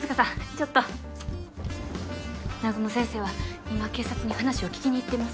ちょっと南雲先生は今警察に話を聞きに行ってます